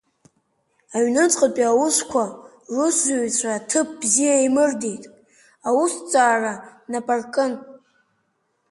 Аҩныҵҟатәи Аусқәа русзуҩцәа аҭыԥ бзиа еимырдеит, аусҭҵаара напаркын.